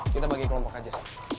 kita bagi kelompok aja